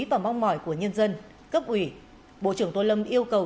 và mong mỏi của nhân dân cấp ủy bộ trưởng tô lâm yêu cầu